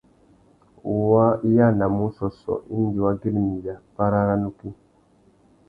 Wá yānamú ussôssô indi wa güirimiya párá râ nukí.